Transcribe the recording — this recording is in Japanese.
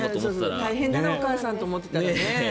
大変だなお母さんと思っていたら。